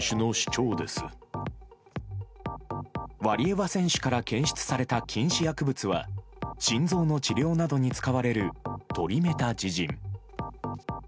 ワリエワ選手から検出された禁止薬物は心臓の治療などに使われるトリメタジジン。